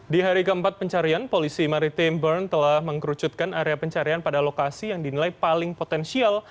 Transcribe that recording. di hari keempat pencarian polisi maritim bern telah mengkerucutkan area pencarian pada lokasi yang dinilai paling potensial